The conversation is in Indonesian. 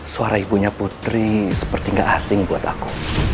suara ibunya putri seperti gak asing buat aku